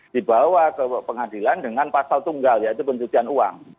dibawa ke pengadilan dengan pasal tunggal yaitu pencucian uang